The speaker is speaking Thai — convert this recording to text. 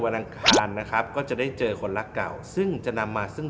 อังคารนะครับก็จะได้เจอคนรักเก่าซึ่งจะนำมาซึ่ง